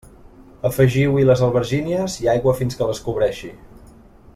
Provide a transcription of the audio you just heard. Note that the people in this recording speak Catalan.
Afegiu-hi les albergínies i aigua fins que les cobreixi.